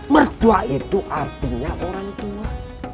mertua itu artinya orang tua